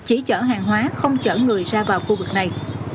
chỉ chở hàng hóa không chở người ra vào khu vực này